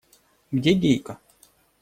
Где Гейка?